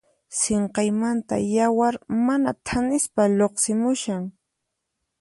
Sinqaymanta yawar mana thanispa lluqsimushan.